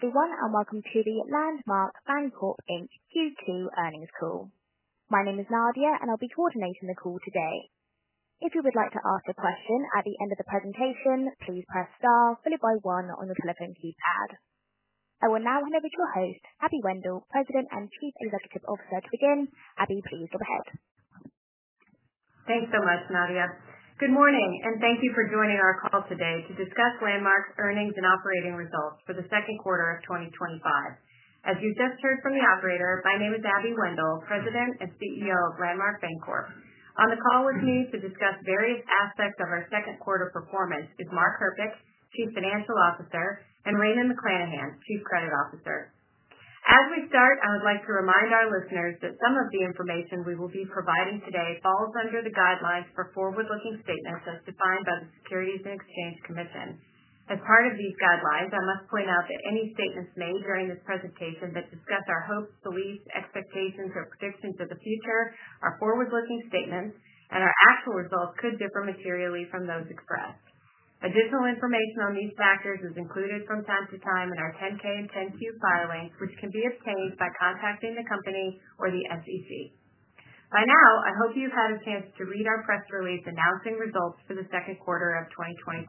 The one I'll mark you to be Landmark Bancorp, Inc Q2 earnings call. My name is Nadia, and I'll be coordinating the call today. If you would like to ask a question at the end of the presentation, please press star followed by one on your telephone keypad. I will now hand over to our host, Abby Wendel, President and Chief Executive Officer, to begin. Abby, please go ahead. Thanks so much, Nadia. Good morning, and thank you for joining our call today to discuss Landmark's earnings and operating results for the second quarter of 2025. As you just heard from the operator, my name is Abby Wendel, President and CEO of Landmark Bancorp. On the call with me to discuss various aspects of our second quarter performance is Mark Herpich, Chief Financial Officer, and Raymond McLanahan, Chief Credit Officer. As we start, I would like to remind our listeners that some of the information we will be providing today falls under the guidelines for forward-looking statements as defined by the Securities and Exchange Commission. As part of these guidelines, I must point out that any statements made during this presentation that discuss our hopes, beliefs, expectations, or predictions of the future are forward-looking statements, and our actual results could differ materially from those expressed. Additional information on these factors is included from time to time in our 10-K and 10-Q filing, which can be obtained by contacting the company or the SEC. By now, I hope you've had a chance to read our press release announcing results for the second quarter of 2025.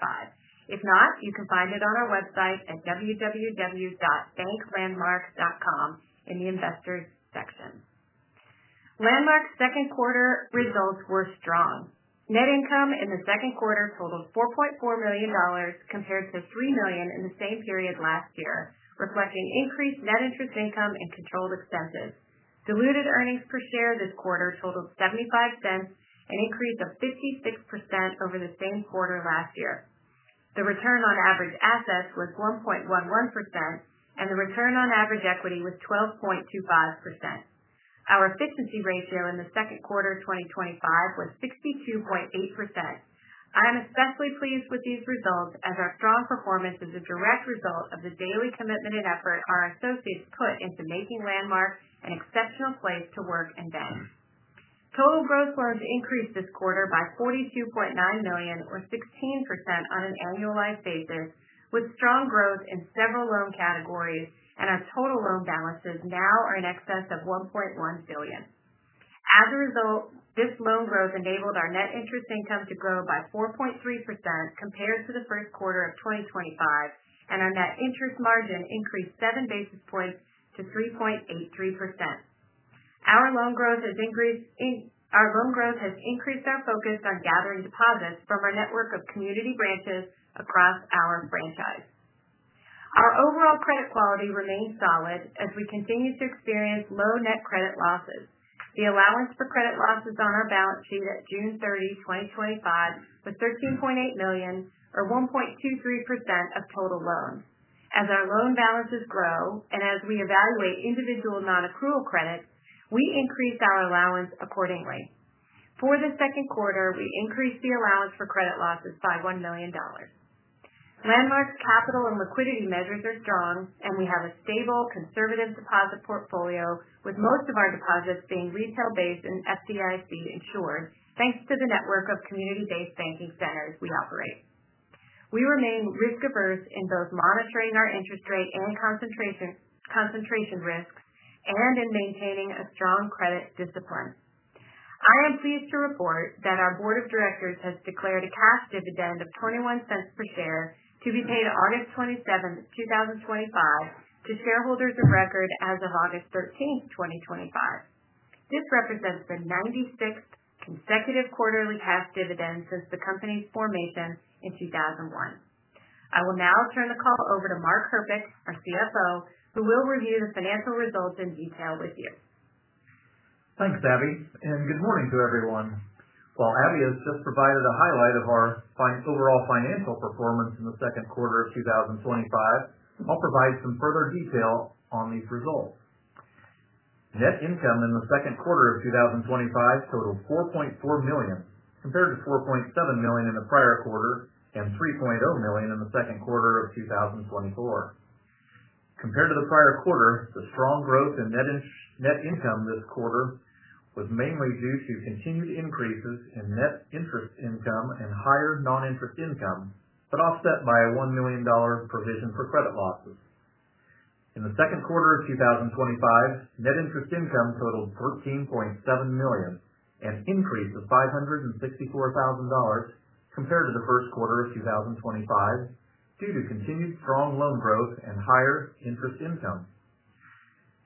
If not, you can find it on our website at www.banklandmark.com in the investors section. Landmark's second quarter results were strong. Net income in the second quarter totaled $4.4 million compared to $3 million in the same period last year, reflecting increased Net Interest Income and controlled expenses. Diluted earnings per share this quarter totaled $0.75 and increased 56% over the same quarter last year. The Return on Average Assets was 1.11%, and the return on average equity was 12.25%. Our Efficiency Ratio in the second quarter of 2025 was 62.8%. I am especially pleased with these results, as our strong performance is a direct result of the daily commitment and effort our associates put into making Landmark an exceptional place to work and build. Total gross growth increased this quarter by $42.9 million, or 16% on an annualized basis, with strong growth in several loan categories, and our total loan balances now are in excess of $1.1 billion. As a result, this loan growth enabled our Net Interest Income to grow by 4.3% compared to the first quarter of 2025, and our Net Interest Margin increased 7 basis points to 3.83%. Our loan growth has increased our focus on gathering deposits from our network of community branches across our franchise. Our overall credit quality remains solid as we continue to experience low net credit losses. The Allowance for Credit Losses on our balance sheet at June 30, 2025, was $13.8 million, or 1.23% of total loans. As our loan balances grow and as we evaluate individual non-accrual credit, we increase our allowance accordingly. For the second quarter, we increased the Allowance for Credit Losses by $1 million. Landmark's capital and liquidity measures are strong, and we have a stable, conservative deposit portfolio, with most of our deposits being retail-based and FDIC insured, thanks to the network of community-based banking centers we operate. We remain risk-averse in both monitoring our interest rate and concentration risk, and we're maintaining a strong credit discipline. I am pleased to report that our Board of Directors has declared a cash dividend of $0.21 per share to be paid August 27, 2025, to shareholders of record as of August 13, 2025. This represents the 96th consecutive quarterly cash dividend since the company's formation in 2001. I will now turn the call over to Mark Herpich, our CFO, who will review the financial results in detail with you. Thanks, Abby, and good morning to everyone. While Abby has just provided a highlight of our overall financial performance in the second quarter of 2025, I'll provide some further detail on these results. Net income in the second quarter of 2025 totaled $4.4 million compared to $4.7 million in the prior quarter and $3.0 million in the second quarter of 2024. Compared to the prior quarter, the strong growth in net income this quarter was mainly due to continued increases in Net Interest Income and higher non-interest income, offset by a $1 million provision for credit losses. In the second quarter of 2025, Net Interest Income totaled $14.7 million and increased $564,000 compared to the first quarter of 2025 due to continued strong loan growth and higher interest income.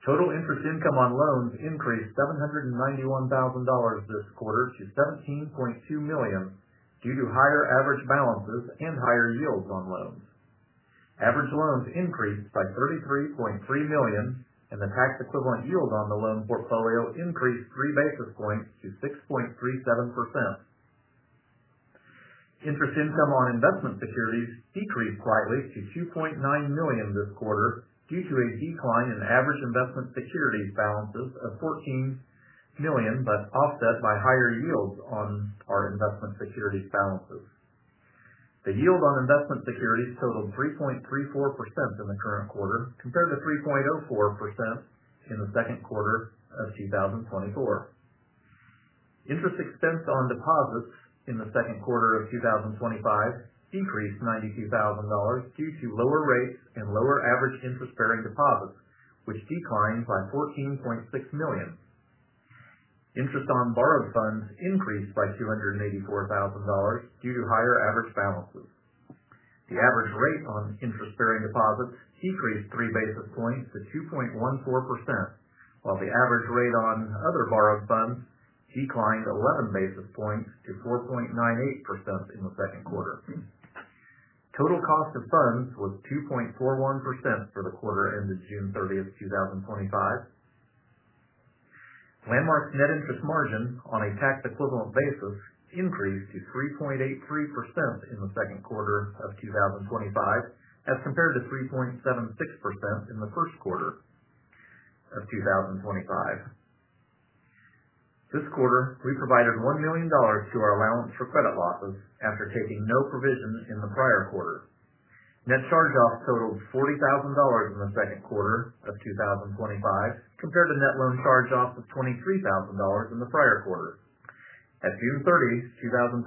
Total interest income on loans increased $791,000 this quarter to $17.2 million due to higher average balances and higher yields on loans. Average loans increased by $33.3 million, and the Tax Equivalent Yield on the loan portfolio increased 3 basis points to 6.37%. Interest income on investment securities decreased slightly to $2.9 million this quarter due to a decline in average investment securities balances of $14 million, offset by higher yields on our investment securities balances. The yield on investment securities totaled 3.34% in the current quarter compared to 3.04% in the second quarter of 2024. Interest expense on deposits in the second quarter of 2025 increased $92,000 due to lower rates and lower average interest-bearing deposits, which declined by $14.6 million. Interest on borrowed funds increased by $284,000 due to higher average balances. The average rate on interest-bearing deposits decreased 3 basis points to 2.14%, while the average rate on other borrowed funds declined 11 basis points to 4.98% in the second quarter. Total cost of funds was 2.41% for the quarter ended June 30, 2025. Landmark's Net Interest Margin on a tax equivalent basis increased to 3.83% in the second quarter of 2025 as compared to 3.76% in the first quarter of 2025. This quarter, we provided $1 million to our Allowance for Credit Losses after taking no provision in the prior quarter. Net Charge-Offs totaled $40,000 in the second quarter of 2025 compared to Net Loan Charge-Off of $23,000 in the prior quarter. At June 30, 2025,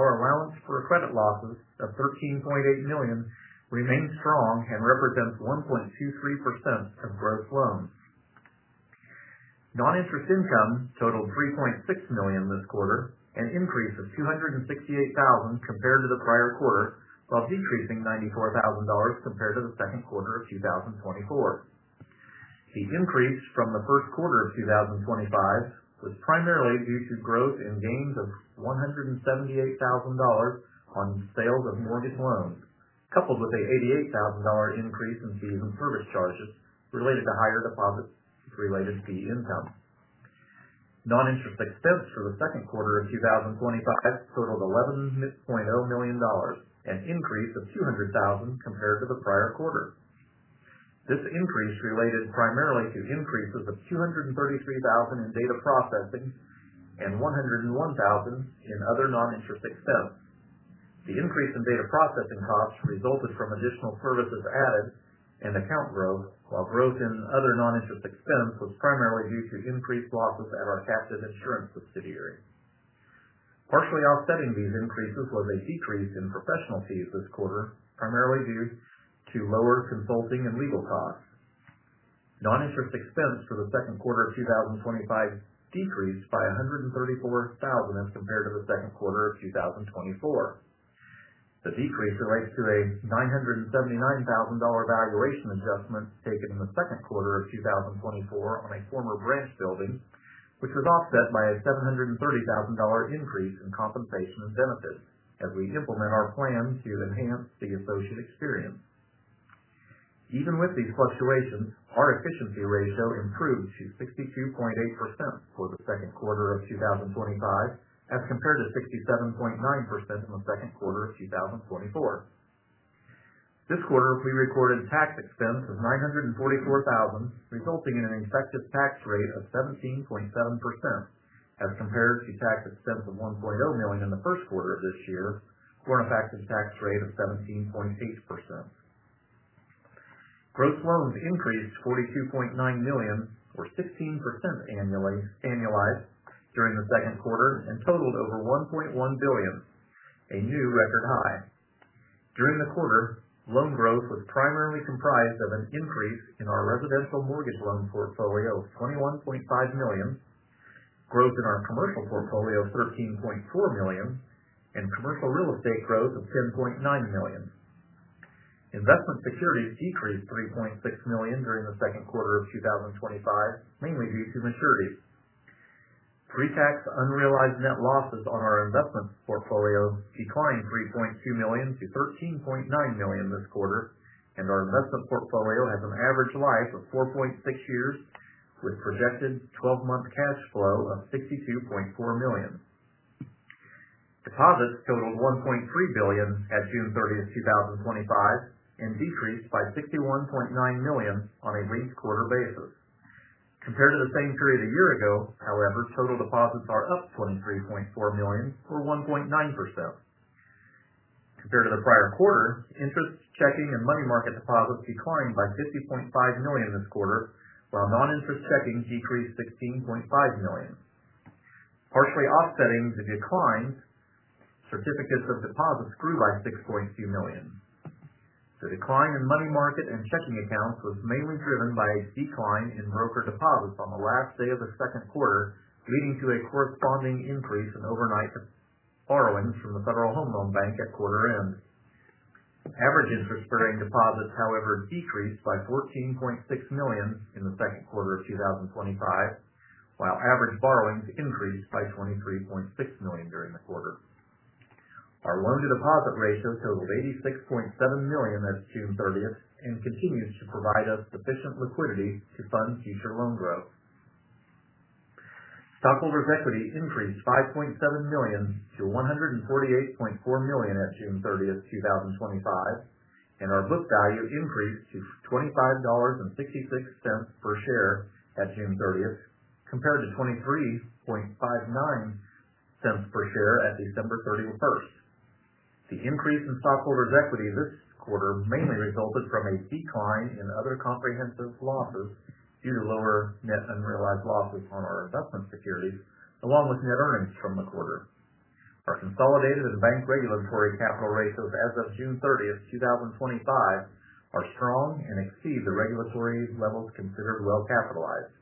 our Allowance for Credit Losses of $13.8 million remains strong and represents 1.23% of gross loans. Non-interest income totaled $3.6 million this quarter, an increase of $268,000 compared to the prior quarter, while decreasing $94,000 compared to the second quarter of 2024. The increase from the first quarter of 2025 was primarily due to growth in gains of $178,000 on sales of mortgage loans, coupled with an $88,000 increase in fees and service charges related to higher deposits related to income. Non-interest expense for the second quarter of 2025 totaled $11.0 million, an increase of $200,000 compared to the prior quarter. This increase related primarily to increases of $233,000 in data processing and $101,000 in other non-interest expense. The increase in data processing costs resulted from additional services added and account growth, while growth in other non-interest expense was primarily due to increased losses at our Captive Insurance Subsidiary. Partially offsetting these increases was a decrease in professional fees this quarter, primarily due to lower consulting and legal costs. Non-interest expense for the second quarter of 2025 decreased by $134,000 as compared to the second quarter of 2024. The decrease relates to a $979,000 valuation adjustment taken in the second quarter of 2024 on a former branch building, which was offset by a $730,000 increase in compensation and benefits as we implement our plan to enhance the associate experience. Even with these fluctuations, our Efficiency Ratio improved to 62.8% for the second quarter of 2025 as compared to 67.9% in the second quarter of 2024. This quarter, we recorded a tax expense of $944,000, resulting in an effective tax rate of 17.7% as compared to tax expense of $1.0 million in the first quarter of this year for an effective tax rate of 17.8%. Gross loans increased $42.9 million, or 16% annualized during the second quarter, and totaled over $1.1 billion, a new record high. During the quarter, loan growth was primarily comprised of an increase in our residential mortgage loan portfolio of $21.5 million, growth in our commercial portfolio of $13.4 million, and commercial real estate growth of $10.9 million. Investment securities decreased $3.6 million during the second quarter of 2025, mainly due to maturities. Pre-tax Unrealized Net Losses on our investment portfolio declined $3.2 million to $13.9 million this quarter, and our investment portfolio has an average life of 4.6 years with projected 12-month cash flow of $62.4 million. Deposits totaled $1.3 billion at June 30, 2025, and decreased by $61.9 million on a linked quarter basis. Compared to the same period a year ago, however, total deposits are up $23.4 million, or 1.9%. Compared to the prior quarter, interest checking and money market deposits declined by $50.5 million this quarter, while non-interest checking decreased $16.5 million. Partially offsetting the decline, certificates of deposit grew by $6.2 million. The decline in money market and checking accounts was mainly driven by a decline in Brokered Deposits on the last day of the second quarter, leading to a corresponding increase in overnight borrowings from the Federal Home Loan Bank at quarter end. Average interest-bearing deposits, however, decreased by $14.6 million in the second quarter of 2025, while average borrowings increased by $23.6 million during the quarter. Our Loan-to-Deposit Ratio totaled $86.7 million at June 30 and continues to provide us sufficient liquidity to fund future loan growth. Stockholders' equity increased $5.7 million to $148.4 million at June 30, 2025, and our book value increased to $25.66 per share at June 30 compared to $23.59 per share at December 31. The increase in stockholders' equity this quarter mainly resulted from a decline in other comprehensive losses due to lower net unrealized losses on our investment securities, along with net earnings from the quarter. Our consolidated and bank regulatory capital ratios as of June 30, 2025, are strong and exceed the regulatory levels considered well-capitalized.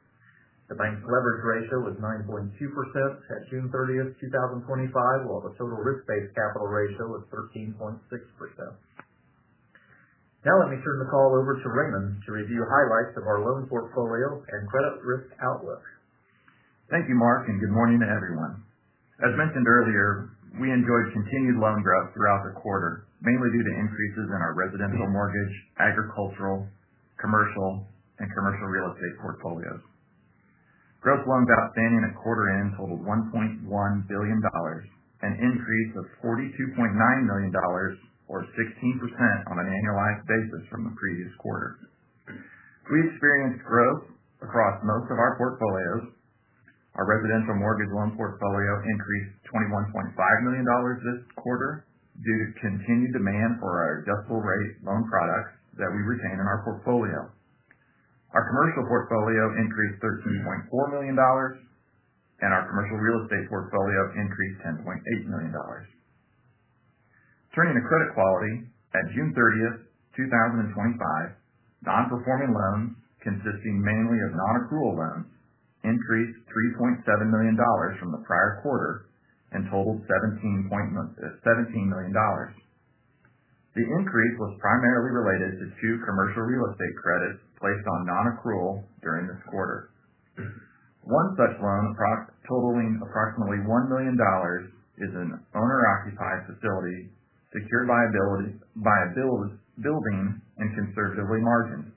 The bank Leverage Ratio was 9.2% at June 30, 2025, while the total Risk-Based Capital Ratio was 13.6%. Now let me turn the call over to Raymond to review highlights of our loan portfolio and credit risk outlook. Thank you, Mark, and good morning to everyone. As mentioned earlier, we enjoyed continued loan growth throughout the quarter, mainly due to increases in our residential mortgage, agricultural, commercial, and commercial real estate portfolios. Gross loans outstanding at quarter end totaled $1.1 billion, an increase of $42.9 million, or 16% on an annualized basis from the previous quarter. We experienced growth across most of our portfolios. Our residential mortgage loan portfolio increased $21.5 million this quarter due to continued demand for our Deductible Rate Loans products that we retain in our portfolio. Our commercial portfolio increased $13.4 million, and our commercial real estate portfolio increased $10.8 million. Turning to credit quality at June 30, 2025, Non-Performing Loans consisting mainly of Non-Accrual Loans increased $3.7 million from the prior quarter and totaled $17 million. The increase was primarily related to two Commercial Real Estate Credits placed on non-accrual during this quarter. One such loan, approximately $1 million, is an owner-occupied facility secured by a building and conservatively margined.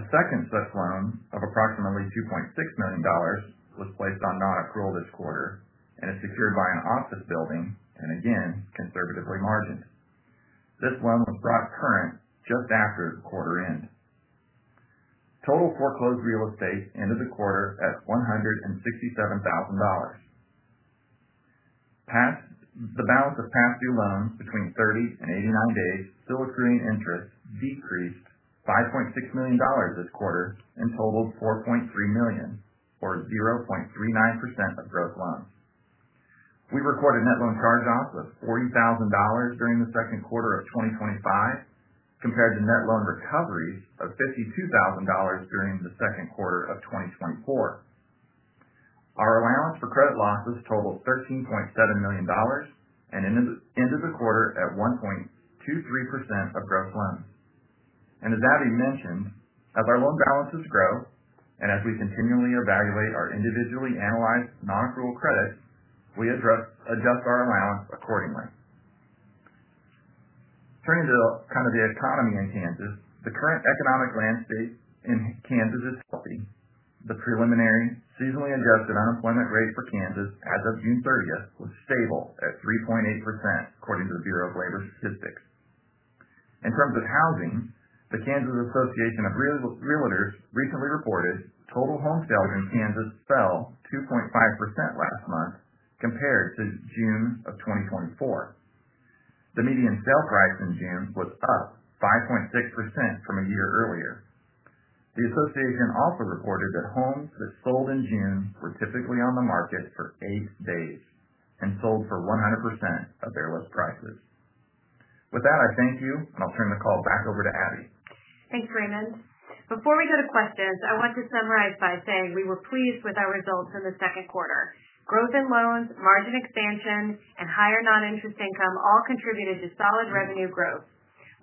A second such loan of approximately $2.6 million was placed on non-accrual this quarter and is secured by an office building and again conservatively margined. This loan was brought current just after quarter end. Total Foreclosed Real Estate ended the quarter at $167,000. The balance of Past Due Loans between 30 and 89 days still accruing interest decreased $5.6 million this quarter and totaled $4.3 million, or 0.39% of gross loans. We recorded Net Loan Charge-Off of $40,000 during the second quarter of 2025 compared to net loan recoveries of $52,000 during the second quarter of 2024. Our Allowance for Credit Losses totaled $13.7 million and ended the quarter at 1.23% of gross loans. As Abby mentioned, as our loan balances grow and as we continually evaluate our individually analyzed non-accrual credits, we adjust our allowance accordingly. Turning to the economy in Kansas, the current economic landscape in Kansas is healthy. The preliminary seasonally adjusted unemployment rate for Kansas as of June 30 was stable at 3.8% according to the Bureau of Labor Statistics. In terms of housing, the Kansas Association of REALTORS recently reported total home sales in Kansas fell 2.5% last month compared to June of 2024. The median sale price in June was up 5.6% from a year earlier. The association also reported that homes sold in June were typically on the market for eight days and sold for 100% of their list prices. With that, I thank you, and I'll turn the call back over to Abby. Thanks, Raymond. Before we go to questions, I want to summarize by saying we were pleased with our results in the second quarter. Growth in loans, margin expansion, and higher non-interest income all contributed to solid revenue growth.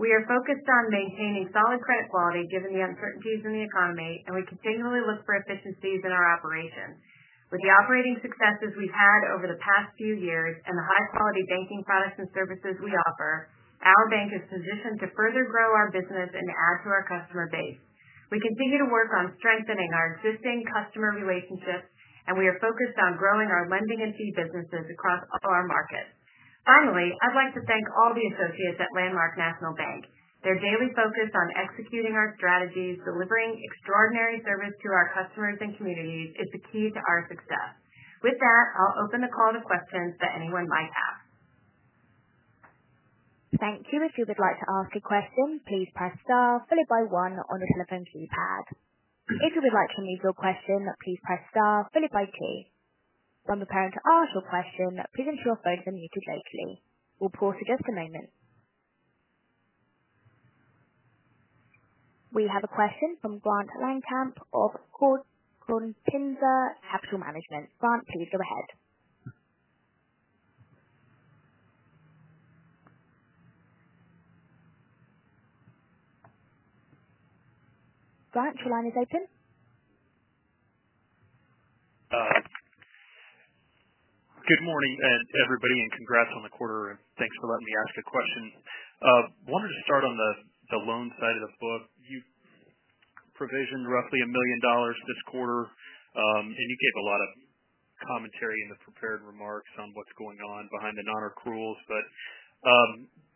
We are focused on maintaining solid credit quality given the uncertainties in the economy, and we continually look for efficiencies in our operation. With the operating successes we had over the past few years and the high-quality banking products and services we offer, our bank is positioned to further grow our business and to add to our customer base. We continue to work on strengthening our existing customer relationships, and we are focused on growing our lending and fee businesses across our market. Finally, I'd like to thank all the associates at Landmark National Bank. Their daily focus on executing our strategies, delivering extraordinary service to our customers and communities is the key to our success. With that, I'll open the call to questions that anyone might have. Thank you. If you would like to ask a question, please press star followed by one on the telephone keypad. If you would like to move your question, please press star followed by two. When preparing to ask your question, please answer your phone to move it locally. We'll pause for just a moment. We have a question from Grant [inaudible] Capital Management. Grant, please go ahead. Grant, your line is open. Good morning, everybody, and congrats on the quarter, and thanks for letting me ask a question. I wanted to start on the loan side of the book. You've provisioned roughly $1 million this quarter, and you gave a lot of commentary in the prepared remarks on what's going on behind the non-accruals. I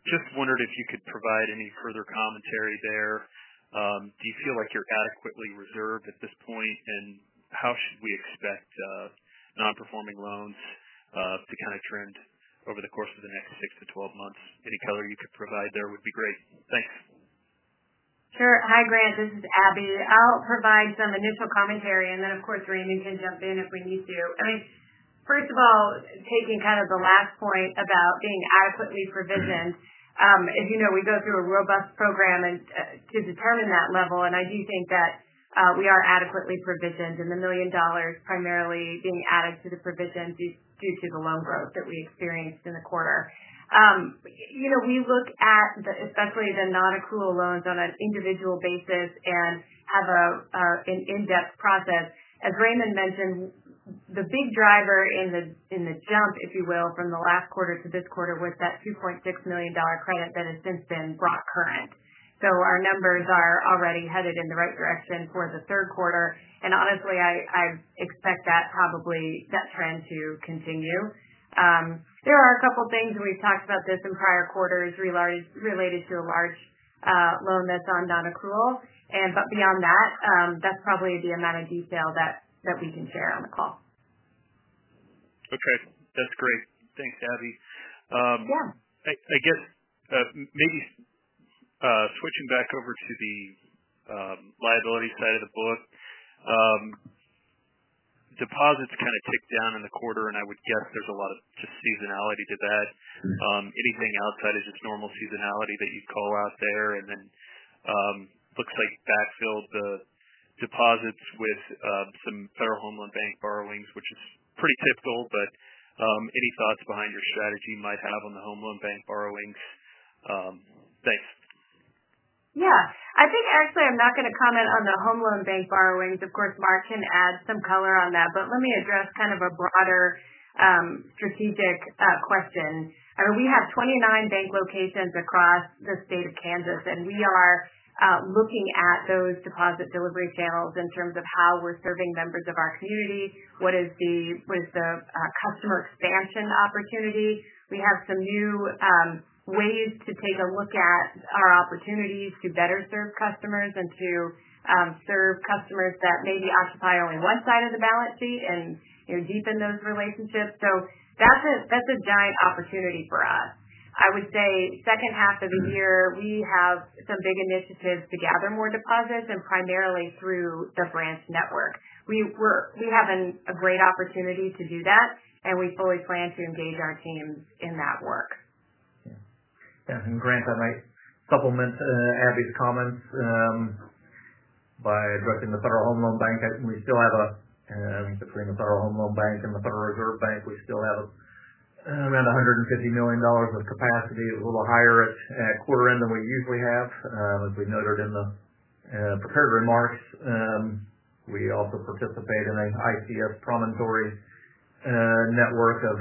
just wondered if you could provide any further commentary there. Do you feel like you're adequately reserved at this point, and how should we expect Non-Performing Loans to kind of trend over the course of the next six to 12 months? Any color you could provide there would be great. Thanks. Sure. Hi, Grant. This is Abby. I'll provide some initial commentary, and then, of course, Raymond can jump in if we need to. First of all, taking kind of the last point about being adequately provisioned, as you know, we go through a robust program to determine that level, and I do think that we are adequately provisioned, and the $1 million primarily being added to the provision due to the loan growth that we experienced in the quarter. We look at especially the Non-Accrual Loans on an individual basis and have an in-depth process. As Raymond mentioned, the big driver in the jump, if you will, from the last quarter to this quarter was that $2.6 million credit that has since been brought current. Our numbers are already headed in the right direction for the third quarter, and honestly, I expect that probably that trend to continue. There are a couple of things we've talked about this in prior quarters related to a large loan that's on non-accrual, but beyond that, that's probably the amount of detail that we can share on the call. Okay. That's great. Thanks, Abby. I guess maybe switching back over to the liability side of the book, deposits kind of ticked down in the quarter, and I would guess there's a lot of just seasonality to that. Anything outside of its normal seasonality that you'd call out there? It looks like that filled the deposits with some Federal Home Loan Bank borrowings, which is pretty typical, but any thoughts behind your strategy you might have on the Home Loan Bank borrowings? Thanks. I think, actually, I'm not going to comment on the Home Loan Bank borrowings. Of course, Mark can add some color on that, but let me address kind of a broader strategic question. We have 29 bank locations across the state of Kansas, and we are looking at those deposit delivery channels in terms of how we're serving members of our community. What is the customer expansion opportunity? We have some new ways to take a look at our opportunities to better serve customers and to serve customers that maybe occupy only one side of the balance sheet and deepen those relationships. That's a giant opportunity for us. I would say second half of the year, we have some big initiatives to gather more deposits and primarily through the branch network. We have a great opportunity to do that, and we fully plan to engage our teams in that work. Yeah. Grant, I might supplement Abby's comments by addressing the Federal Home Loan Bank. We still have, I think, between the Federal Home Loan Bank and the Federal Reserve Bank, about $150 million of capacity, a little higher at quarter end than we usually have, as we noted in the prepared remarks. We also participate in an ICS Promontory Network of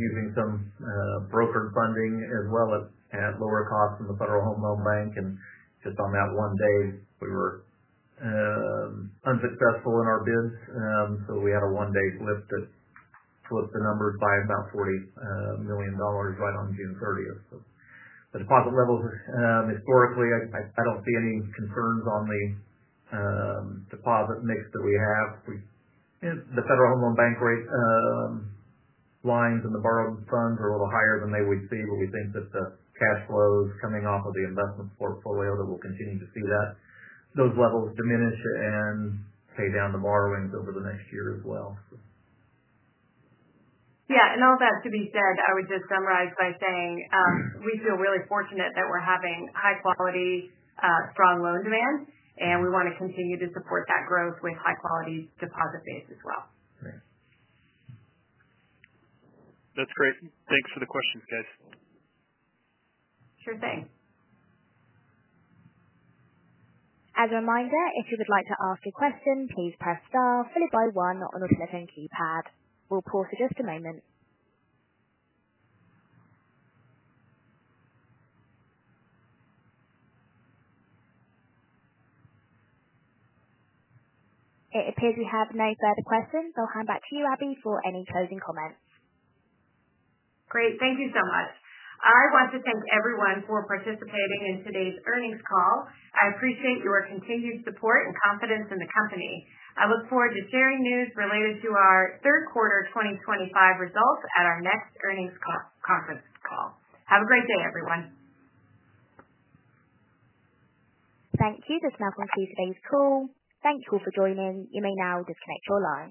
using some brokered funding as well at lower costs than the Federal Home Loan Bank. On that one day, we were unsuccessful in our bids, so we had a one-day lift that flipped the numbers by about $40 million right on June 30th. The deposit levels, historically, I don't see any concerns on the deposit mix that we have. The Federal Home Loan Bank rate lines in the borrowing funds are a little higher than they would see, but we think just the cash flows coming off of the investment portfolio that we'll continue to see those levels diminish and pay down the borrowings over the next year as well. All of that to be said, I would just summarize by saying we feel really fortunate that we're having high-quality, strong loan demand, and we want to continue to support that growth with high-quality deposit base as well. That's great. Thanks for the questions, guys. Sure thing. As a reminder, if you would like to ask a question, please press star followed by one on the telephone keypad. We'll pause for just a moment. It appears we have no further questions. I'll hand back to you, Abby, for any closing comments. Great. Thank you so much. I want to thank everyone for participating in today's earnings call. I appreciate your continued support and confidence in the company. I look forward to sharing news related to our third quarter 2025 results at our next earnings conference call. Have a great day, everyone. Thank you. This now concludes today's call. Thank you all for joining. You may now disconnect your line.